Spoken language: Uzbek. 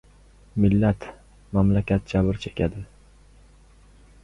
Millat, mamlakat jabr chekdi.